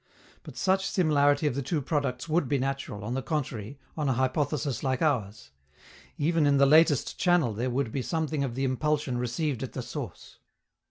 But such similarity of the two products would be natural, on the contrary, on a hypothesis like ours: even in the latest channel there would be something of the impulsion received at the source.